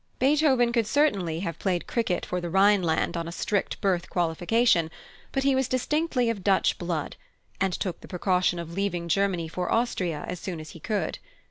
Beethoven could certainly have played cricket for the Rhineland on a strict birth qualification; but he was distinctly of Dutch blood, and took the precaution of leaving Germany for Austria as soon as he could.